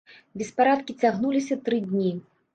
Беспарадкі цягнуліся тры дні.